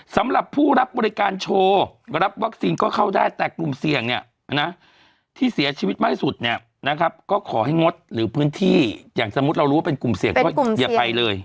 สำหรับผู้รับบริการโชว์รับวัคซีนก็เข้าได้แต่กลุ่มเสี่ยงเนี่ยนะที่เสียชีวิตมากสุดเนี่ยนะครับก็ขอให้งดหรือพื้นที่อย่างสมมุติเรารู้ว่าเป็นกลุ่มเสี่ยงก็อย่าไปเลย